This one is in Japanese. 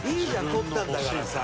撮ったんだからさ」